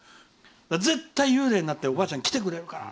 絶対に幽霊になっておばあちゃんが来てくれるから。